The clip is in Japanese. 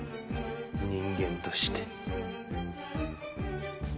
人間として。